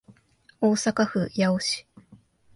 大阪府八尾市